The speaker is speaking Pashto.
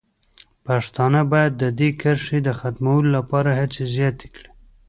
پښتانه باید د دې کرښې د ختمولو لپاره هڅې زیاتې کړي.